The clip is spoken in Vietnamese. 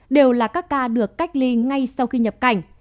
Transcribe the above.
đều là các ca được cách ly ngay sau khi nhập cảnh